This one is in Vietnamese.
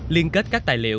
liên kết các tài liệu